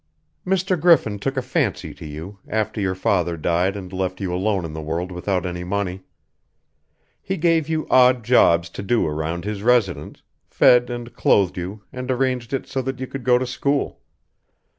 "Mr. Griffin took a fancy to you, after your father died and left you alone in the world without any money. He gave you odd jobs to do around his residence, fed and clothed you and arranged it so that you could go to school.